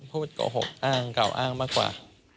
โกหกอ้างกล่าวอ้างมากกว่า